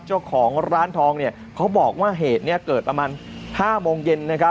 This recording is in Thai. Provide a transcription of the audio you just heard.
เจ้าของร้านทองเขาบอกว่าเหตุนี้เกิดประมาณ๕โมงเย็น